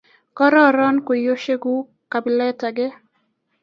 Kororon kweoshek guk kapilet age.